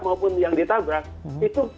maupun yang ditabrak itu